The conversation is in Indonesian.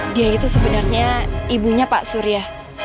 dia itu sebenarnya ibunya pak surya